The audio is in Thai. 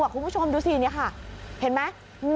คุณผู้ชมดูสินี่ค่ะเห็นไหม